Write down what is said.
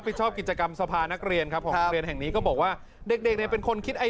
ปลดล็อกกัญชาคงไม่มีค่าถ้าเธอไม่เคยปลดล็อกหัวใจ